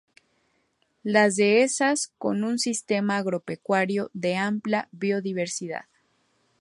Las dehesas son un sistema agropecuario de amplia biodiversidad.